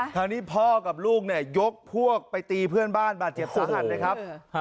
ทั้งนี้พ่อกับลูกเนี่ยยกพวกไปตีเพื่อนบ้านบาดเจ็บสาหัสเลยครับ